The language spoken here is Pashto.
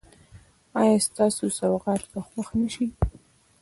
ایا ستاسو سوغات به خوښ نه شي؟